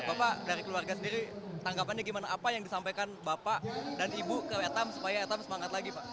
bapak dari keluarga sendiri tanggapannya gimana apa yang disampaikan bapak dan ibu ke wetam supaya etam semangat lagi pak